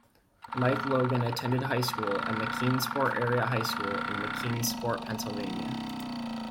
Mike Logan attended high school at McKeesport Area High School in McKeesport, Pennsylvania.